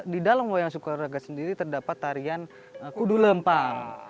di dalam wayang sukuraga sendiri terdapat tarian kudu lempang